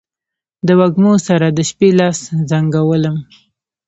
د وږمو سره، د شپې لاس زنګولم